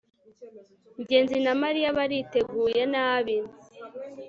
ngenzi na mariya bariteguye nabi